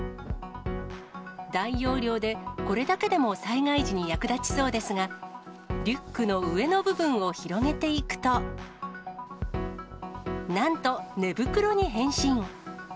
大容量でこれだけでも災害時に役立ちそうですが、リュックの上の部分を広げていくと、なんと、寝袋に変身。